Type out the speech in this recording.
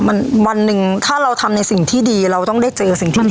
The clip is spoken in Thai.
มันวันหนึ่งถ้าเราทำในสิ่งที่ดีเราต้องได้เจอสิ่งที่ดี